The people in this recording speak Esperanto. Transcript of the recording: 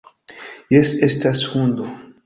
Jes, estas hundo.